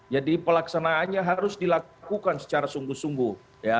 pelaksanaannya harus dilakukan secara sungguh sungguh